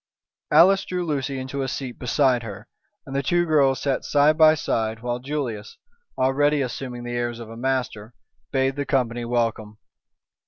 Alice drew Lucy into a seat beside her, and the two girls sat side by side, while Julius, already assuming the airs of a master, bade the company welcome.